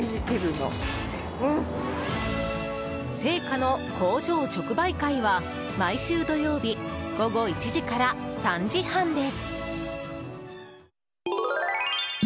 正華の工場直売会は毎週土曜日午後１時から３時半です。